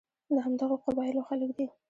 د همدغو قبایلو خلک دي.